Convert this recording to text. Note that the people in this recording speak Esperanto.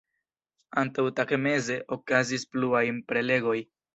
Antaŭtagmeze okazis pluaj prelegoj.